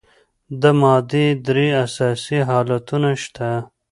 د مادې درې اساسي حالتونه شته.